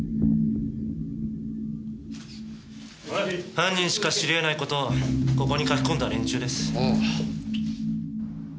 犯人しか知りえない事をここに書き込んだ連中です。